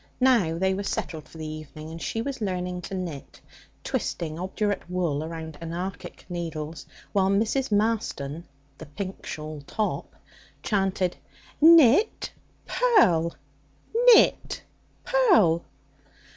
Now they were settled for the evening, and she was learning to knit, twisting obdurate wool round anarchic needles, while Mrs. Marston the pink shawl top chanted: 'Knit, purl! Knit, purl!'